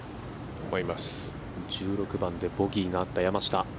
１６番でボギーがあった山下。